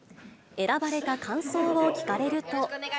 選ばれた感想を聞かれると。